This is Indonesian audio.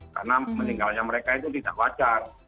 karena meninggalnya mereka itu tidak wajar